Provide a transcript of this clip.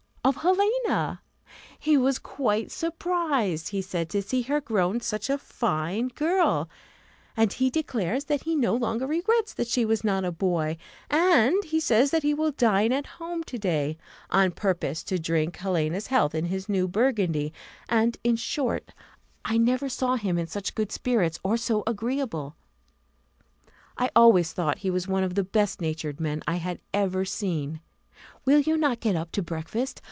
of Helena. He was quite surprised, he said, to see her grown such a fine girl, and he declares that he no longer regrets that she was not a boy; and he says that he will dine at home to day, on purpose to drink Helena's health in his new burgundy; and, in short, I never saw him in such good spirits, or so agreeable: I always thought he was one of the best natured men I had ever seen. Will not you get up to breakfast?